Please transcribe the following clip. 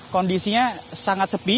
kondisinya sangat sepi